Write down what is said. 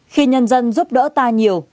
khi nhân dân giúp đỡ ta nhiều